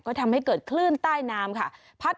ก็ทำให้เกิดคลื่นใต้น้ำค่ะ